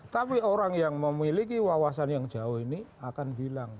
tapi orang yang memiliki wawasan yang jauh ini akan bilang